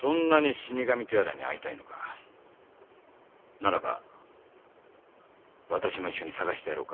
ならば私も一緒に捜してやろうか？